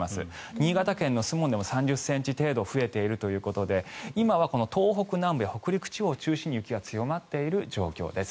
新潟県の守門でも３０ｃｍ程度増えているということで今は東北南部、北陸地方を中心に雪が強まっているということです。